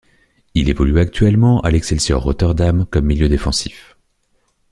Il évolue actuellement à l'Excelsior Rotterdam comme milieu défensif.